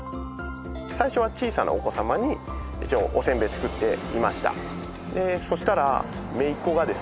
最初は小さなお子様に一応おせんべい作っていましたそしたらめいっ子がですね